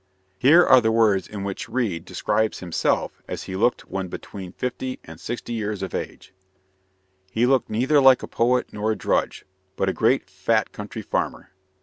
Here are the words in which Reade describes himself as he looked when between fifty and sixty years of age: He looked neither like a poet nor a drudge, but a great fat country farmer.